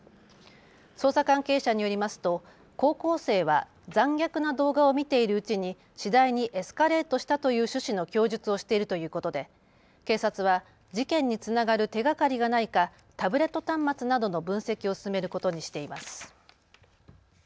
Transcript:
捜査関係者によりますと高校生は残虐な動画を見ているうちに次第にエスカレートしたという趣旨の供述をしているということで警察は事件につながる手がかりがないかタブレット端末などの分析を進めることにしています。